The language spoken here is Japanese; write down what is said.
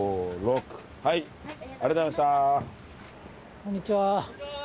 こんにちは。